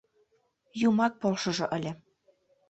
Юмак полшыжо ыле!